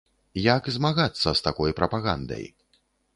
Як змагацца з такой прапагандай?